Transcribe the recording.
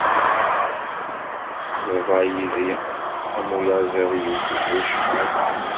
Teḍra yid-i am uyaẓiḍ yewwet bucḥiḍ